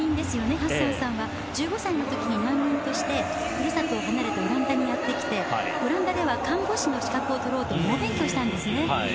ハッサンさんは１５歳の時に難民として故郷を離れてオランダにやってきてオランダでは看護師の資格を取ろうと猛勉強したんですね。